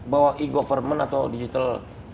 bahwa e government atau digital